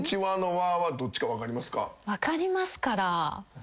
分かりますから。